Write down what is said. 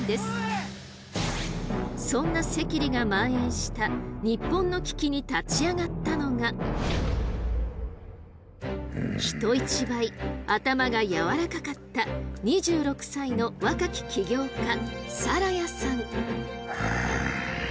そんな赤痢がまん延した日本の危機に立ち上がったのが人一倍頭が柔らかかった２６歳の若き起業家更家さん。